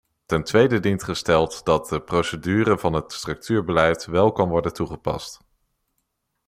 Ten tweede dient gesteld dat de procedure van het structuurbeleid wel kan worden toegepast.